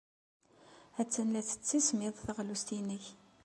Attan la tettismiḍ teɣlust-nnek.